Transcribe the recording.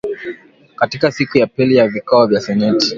Katika siku ya pili ya vikao vya seneti